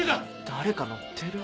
誰か乗ってる？